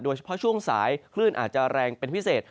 โดยเฉพาะช่วงสายคลื่นอาจจะแรงเป็นพิเศษ